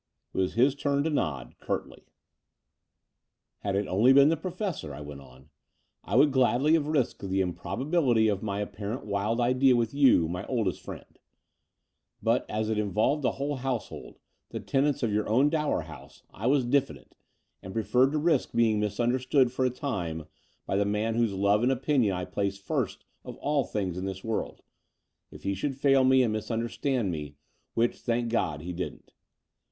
It was his turn to nod — curtly. II ti The Dower House 225 Had it only been the Professor," I went on, I would gladly have risked the improbability of my apparently wild idea with you, my oldest friend: but, as it involved a whole household, the tenants of your own Dower House, I was diffident, and preferred to risk being misunderstood for a time by the man whose love and opinion I place first of all things in this world — if he should fail me and misunderstand me, which, thank God, he didn't.